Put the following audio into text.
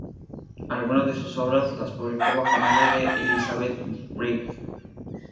Algunas de sus obras las publicó bajo el nombre de Elizabeth Bridges.